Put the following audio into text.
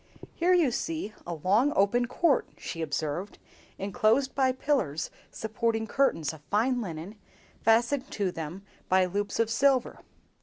"Here you see a long open court," she observed, "enclosed by pillars supporting curtains of fine linen, fastened to them by loops of silver.